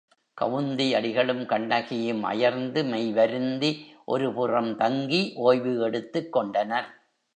கவுந்தி அடிகளும் கண்ணகியும் அயர்ந்து மெய்வருந்தி ஒரு புறம் தங்கி ஓய்வு எடுத்துக் கொண்டனர்.